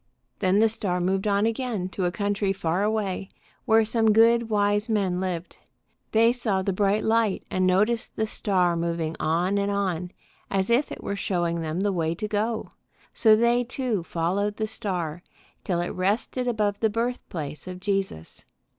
Then the star moved on again to a country far away, where some good, wise men lived. They saw the bright light, and noticed the star moving on and on, as if it were showing them the way to go. So they, too, followed the star till it rested above the birthplace of Jesus.